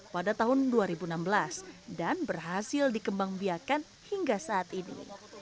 pada tahun dua ribu enam belas dan berhasil dikembang biakan hingga saat ini